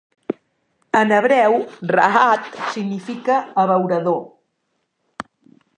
En hebreu, "rahat" significa 'abeurador'.